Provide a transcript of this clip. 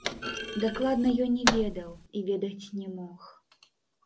Дакладна ён не ведаў і ведаць не мог.